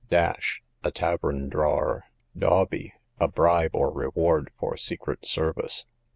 Dash, a tavern drawer. Dawbe, a bribe or reward for secret service.